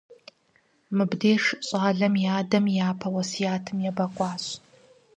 Мыбдеж щӀалэр и адэм и япэ уэсятым ебэкъуащ.